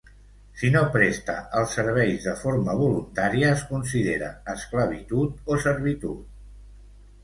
Si no presta els serveis de forma voluntària, es considera esclavitud o servitud.